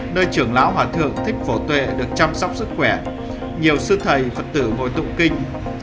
nơi trưởng lão hòa thượng thích phổ tuệ được chăm sóc sức khỏe nhiều sư thầy phật tử hồi tụ kinh